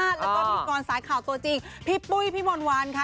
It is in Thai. แล้วก็พิธีกรสายข่าวตัวจริงพี่ปุ้ยพี่มนต์วันค่ะ